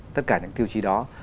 tất cả những tiêu chí đó